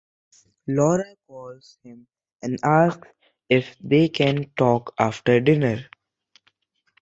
Laura calls him and asks if they can talk after dinner.